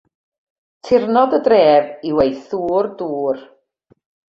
Tirnod y dref yw ei thŵr dŵr.